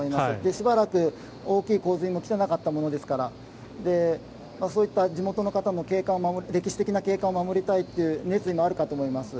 しばらく大きい洪水も来ていなかったものですからそういった地元の方の歴史的な景観を守りたいという熱意もあるかと思います。